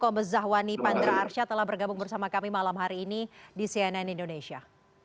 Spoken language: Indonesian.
kombe zahwani pandra arsya telah bergabung bersama kami malam hari ini di cnn indonesia